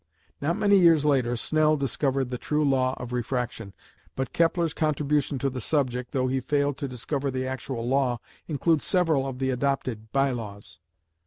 Not many years later Snell discovered the true law of refraction, but Kepler's contribution to the subject, though he failed to discover the actual law, includes several of the adopted "by laws".